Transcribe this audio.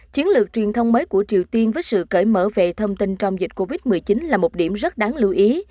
chiến lược truyền thông mới của triều tiên với sự cởi mở về thông tin trong dịch covid một mươi chín là một điểm rất đáng lưu ý